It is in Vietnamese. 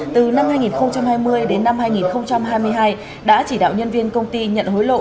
từ năm hai nghìn hai mươi đến năm hai nghìn hai mươi hai đã chỉ đạo nhân viên công ty nhận hối lộ